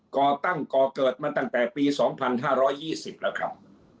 ก่อตั้งก่อเกิดมาตั้งแต่ปี๒๕๒๐แล้วครับ